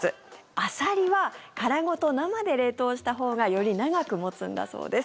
アサリは殻ごと生で冷凍したほうがより長く持つんだそうです。